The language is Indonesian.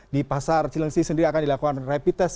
di pasar cilengsi sendiri akan dilakukan rapid test